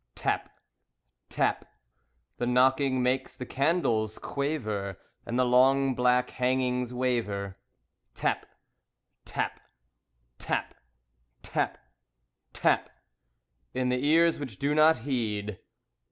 Tap! Tap! The knocking makes the candles quaver, And the long black hangings waver Tap! Tap! Tap! Tap! Tap! In the ears which do not heed.